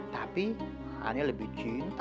tapi ane lebih cinta